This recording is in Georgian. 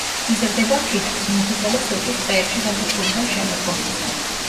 იზრდება ფიჭვის, მუხისა და სოჭის ტყეებში გაზაფხულიდან შემოდგომაზე.